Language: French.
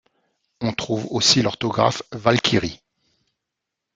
On trouve aussi l'orthographe Walkyrie.